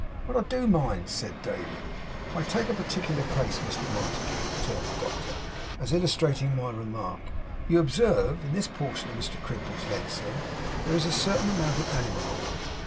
'But I do mind,' said David. 'I take a particular case, Mr Montague,' returned the doctor, 'as illustrating my remark, you observe. In this portion of Mr Crimple's leg, sir, there is a certain amount of animal oil.